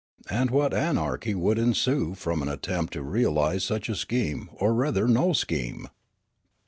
And what anarchy would ensue from an attempt to realise such a scheme or rather no scheme!